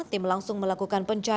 tim langsung melakukan penyelamatan